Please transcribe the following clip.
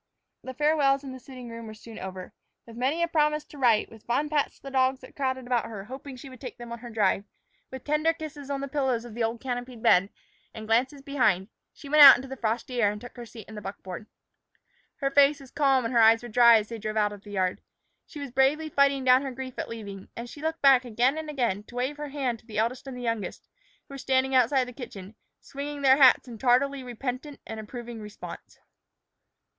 The farewells in the sitting room were soon over. With many a promise to write, with fond pats to the dogs that crowded about her hoping she would take them on her drive, with tender kisses on the pillows of the old canopied bed, and glances behind, she went out into the frosty air and took her seat in the buckboard. Her face was calm and her eyes were dry as they drove out of the yard. She was bravely fighting down her grief at leaving, and she looked back again and again to wave her hand to the eldest and the youngest, who were standing outside the kitchen, swinging their hats in tardily repentant and approving response.